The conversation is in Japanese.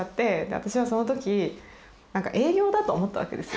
私はそのとき営業だと思ったわけですよ。